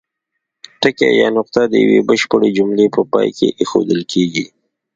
ټکی یا نقطه د یوې بشپړې جملې په پای کې اېښودل کیږي.